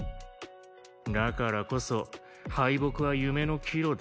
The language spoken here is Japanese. だからこそ敗北は夢の岐路だ。